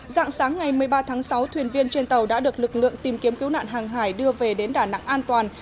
dạng sáng ngày một mươi ba tháng sáu thuyền viên trên tàu đã được lực lượng tìm kiếm cứu nạn hàng hải đưa về đến đà nẵng an toàn